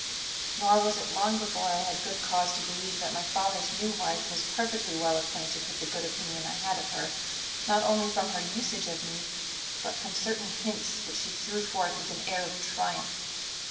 "Nor was it long before I had good cause to believe that my father's new wife was perfectly well acquainted with the good opinion I had of her, not only from her usage of me, but from certain hints which she threw forth with an air of triumph.